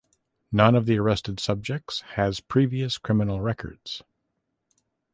None of the arrested subjects has previous criminal records.